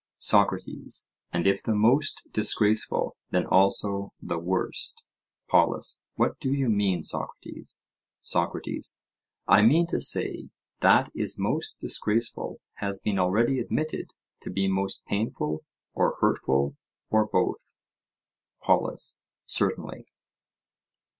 SOCRATES: And if the most disgraceful, then also the worst? POLUS: What do you mean, Socrates? SOCRATES: I mean to say, that is most disgraceful has been already admitted to be most painful or hurtful, or both. POLUS: Certainly.